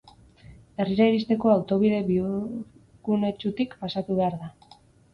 Herrira iristeko autobide bihurgunetsutik pasatu behar da.